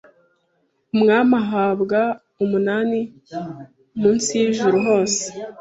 umwami ahabwa umunani mu nsi yijuru hose